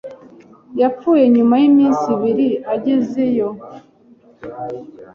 Yapfuye nyuma y'iminsi ibiri agezeyo.